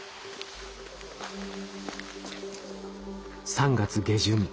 ３月下旬